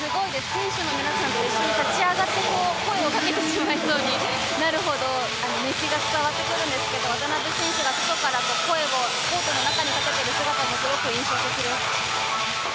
選手の皆さんに立ち上がって声をかけてしまいそうになるほど熱気が伝わってくるんですが渡邊選手が外から声をコートの中にかけている姿がすごく印象的です。